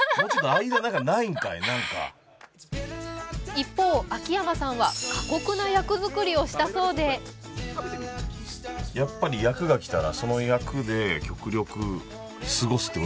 一方、秋山さんは過酷な役作りをしたそうで続いてはこちら。